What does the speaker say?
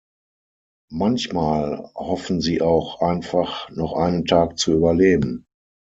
Manchmal hoffen sie auch einfach, noch einen Tag zu überleben.